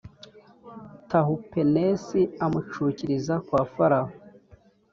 Tahupenesi amucukiriza kwa Farawo